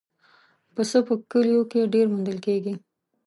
پسه په کلیو کې ډېر موندل کېږي.